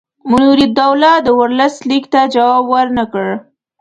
منیرالدوله د ورلسټ لیک ته جواب ورنه کړ.